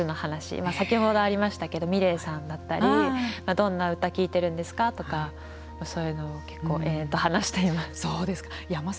先ほどありましたけどｍｉｌｅｔさんだったりどんな歌聴いてるんですかとかそういうのも結構話しています。